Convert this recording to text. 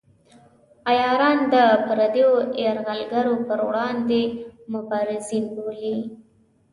عیاران د پردیو یرغلګرو پر وړاندې مبارزین بولي.